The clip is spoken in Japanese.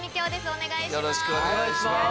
お願いします。